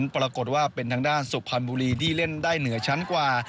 ปรากฏว่าเป็นทางด้านสุพรรณบุรีที่เล่นได้เหนือชั้นกว่า